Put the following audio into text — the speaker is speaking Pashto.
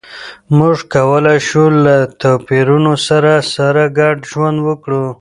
موږ کولای شو له توپیرونو سره سره ګډ ژوند وکړو.